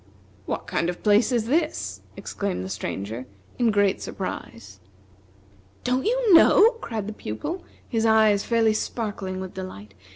"What kind of a place is this?" exclaimed the Stranger, in great surprise. "Don't you know?" cried the Pupil, his eyes fairly sparkling with delight.